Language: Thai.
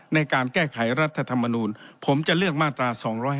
ในการแก้ไขรัฐธรรมนูลผมจะเลือกมาตรา๒๕๖